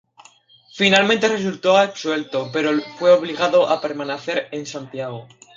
Finalmente resultó absuelto, pero fue obligado a permanecer en Santiago.